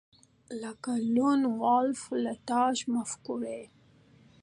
لکه لون وولف ولټاژ مفکورې